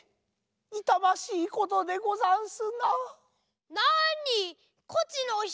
いたましいことでござんすなぁ。